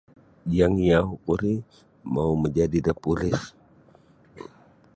Yang yang oku ri mau majadi da polis.